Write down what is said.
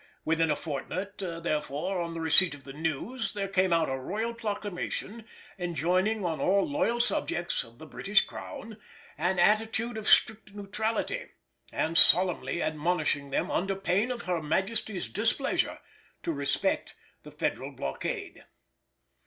Within a fortnight, therefore, of the receipt of the news, there came out a Royal Proclamation enjoining on all loyal subjects of the British Crown an attitude of strict neutrality, and solemnly admonishing them under pain of Her Majesty's displeasure to respect the Federal blockade.